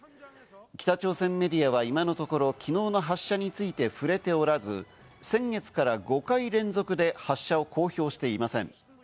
北朝鮮メディアは今のところ、昨日の発射について触れておらず、先月から５回連続で発射を公表していません。